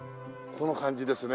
この感じですね。